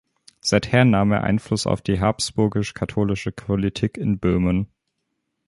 Seither nahm er Einfluss auf die habsburgisch-katholische Politik in Böhmen.